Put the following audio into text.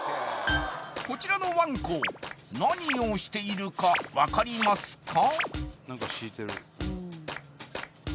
［こちらのワンコ何をしているか分かりますか？］